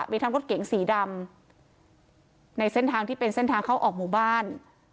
มีทั้งรถเก๋งสีดำในเส้นทางที่เป็นเส้นทางเข้าออกหมู่บ้าน